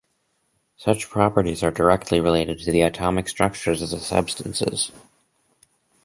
Such properties are directly related to the atomic structures of the substances.